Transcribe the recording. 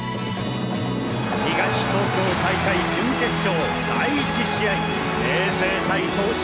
東東京大会準決勝第１試合明青対東秀。